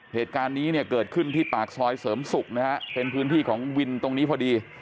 เหตุการณ์นี้เนี่ยเกิดขึ้นที่ปากซอยเสริมศุกร์นะฮะเป็นพื้นที่ของวินตรงนี้พอดี